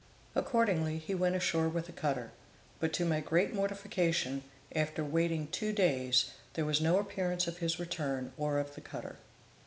Accordingly he went ashore with the cutter, but to my great mortification, after waiting two days, there was no appearance of his return or of the cutter.